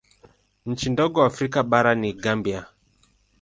Nchi ndogo Afrika bara ni Gambia.